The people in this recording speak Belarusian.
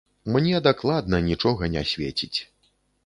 Мне дакладна нічога не свеціць!